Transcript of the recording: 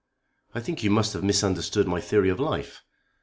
I think you must have misunderstood my theory of life.